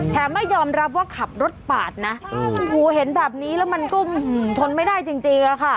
ไม่ยอมรับว่าขับรถปาดนะโอ้โหเห็นแบบนี้แล้วมันก็ทนไม่ได้จริงอะค่ะ